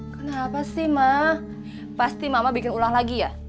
kenapa sih mah pasti mama bikin ulah lagi ya